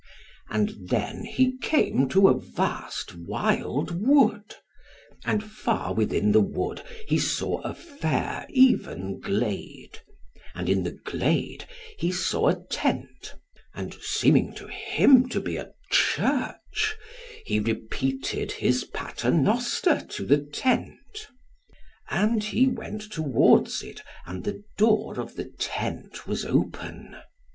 And then he came to a vast wild wood, and far within the wood he saw a fair even glade, and in the glade he saw a tent, and seeming to him to be a church, he repeated his Paternoster to the tent. And he went towards it, and the door of the tent was open.